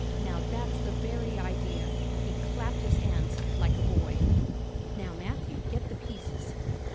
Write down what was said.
Now that's the very idea!" He clapped his hands like a boy. "Now, Matthew, get the pieces."